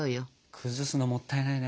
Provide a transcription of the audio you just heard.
崩すのもったいないね。